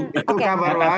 datanya seperti itu